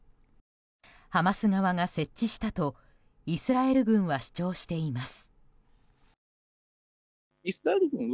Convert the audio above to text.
ハマス側が設置したとイスラエル軍は主張しています。